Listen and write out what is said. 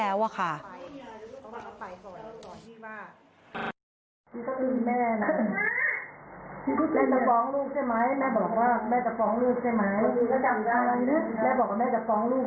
เนี่ยที่คนนิสตีแม่จำไม่ได้หรอ